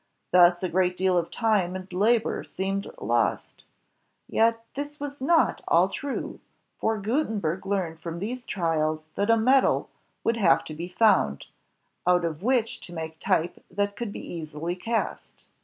Thus a great deal of time and labor seemed lost. Yet this was not all true; for Gutenberg learned from these trials that a metal would have to be foimd, out of which to make type that could be easily cast.